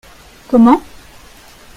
Comment ?